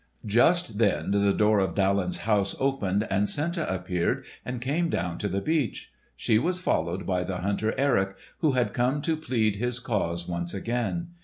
Just then the door of Daland's house opened, and Senta appeared and came down to the beach. She was followed by the hunter Erik, who had come to plead his cause once again.